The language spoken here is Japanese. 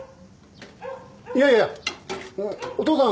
いやいやお父さん